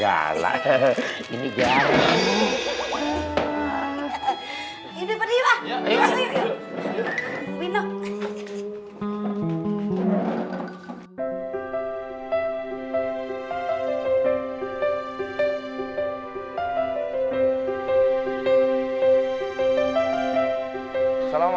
salamualaikum warahmatullahi wabarakatuh